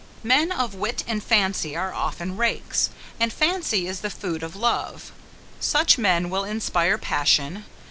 Men of wit and fancy are often rakes; and fancy is the food of love. Such men will inspire passion.